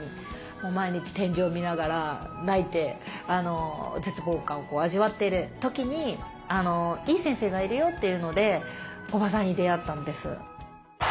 もう毎日天井見ながら泣いて絶望感を味わっている時に「いい先生がいるよ」っていうので木場さんに出会ったんです。